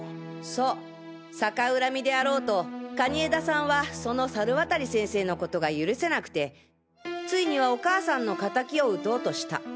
そう逆恨みであろうと蟹江田さんはその猿渡先生のことが許せなくてついにはお母さんのかたきを討とうとした。